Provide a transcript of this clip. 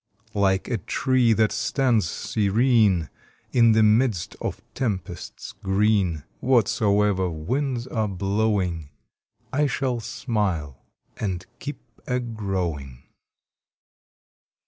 Like a tree that stands serene In the midst of tempests green, Whatsoever winds are blowin I shall smile and keep a growin !